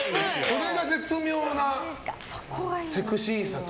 それが絶妙なセクシーさと。